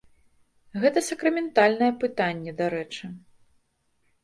Гэта сакраментальнае пытанне, дарэчы.